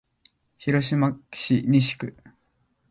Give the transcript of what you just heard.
広島市西区